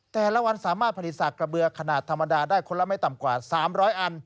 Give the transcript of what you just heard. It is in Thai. แต่ละวันสามารถผลิตสากกระเบือขนาดธรรมดาได้คนละไม่ต่ำกว่า๓๐๐อัน